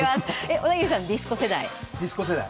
小田切さん、ディスコ世代。